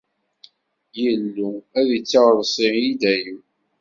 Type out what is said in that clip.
Illu ad tt-ireṣṣi i dayem.